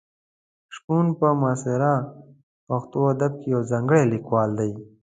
شپون په معاصر پښتو ادب کې یو ځانګړی لیکوال دی.